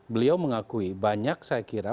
beliau mengakui banyak saya kira